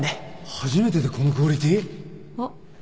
初めてでこのクオリティー？あっ。